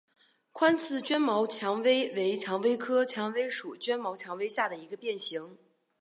宽刺绢毛蔷薇为蔷薇科蔷薇属绢毛蔷薇下的一个变型。